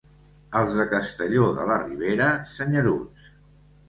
Els de Castelló de la Ribera, senyeruts.